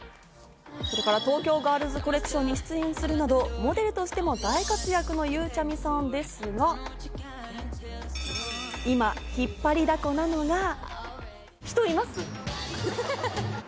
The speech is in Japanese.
東京ガールズコレクションに出演するなどモデルとしても大活躍のゆうちゃみさんですが、今、引っ張りだこなのが。